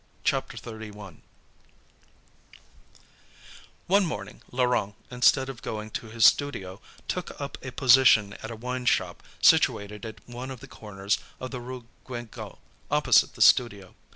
CHAPTER XXXI One morning, Laurent, instead of going to his studio, took up a position at a wine shop situated at one of the corners of the Rue Guénégaud, opposite the studio.